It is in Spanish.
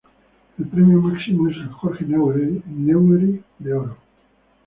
El premio máximo es el Jorge Newbery de Oro.